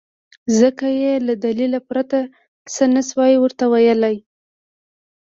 ځکه يې له دليله پرته څه نه شوای ورته ويلی.